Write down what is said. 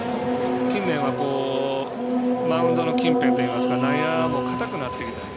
近年はマウンドの近辺というか内野も硬くなっているので。